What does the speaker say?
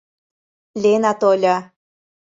Лена тольо.